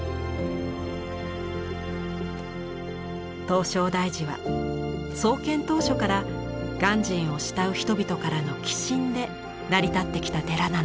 唐招提寺は創建当初から鑑真を慕う人々からの寄進で成り立ってきた寺なのです。